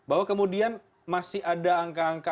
bahwa kemudian masih ada angka angka